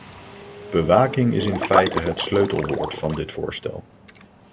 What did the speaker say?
Bewaking is in feite het sleutelwoord van dit voorstel.